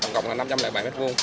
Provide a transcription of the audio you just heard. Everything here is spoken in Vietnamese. tổng cộng là năm trăm linh bảy m hai